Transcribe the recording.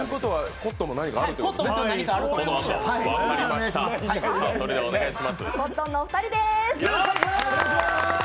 コットンのお二人です。